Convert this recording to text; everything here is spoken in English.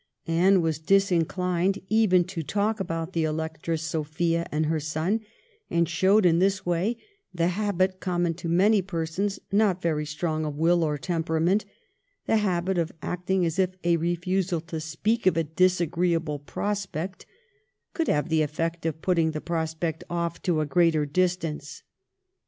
Anne was disinclined even to talk about the Electress Sophia and her son, and showed in this way the habit common to many persons not very strong of will or temperament — the habit of acting as if a refusal to speak of a disagreeable pro spect could have the effect of putting the prospect off to a greater distance.